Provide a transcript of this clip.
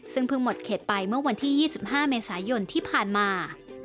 ซึ่งเพิ่งหมดเขตไปเมื่อวันที่๒๕เมษายนที่ผ่านมา